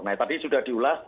nah tadi sudah diulas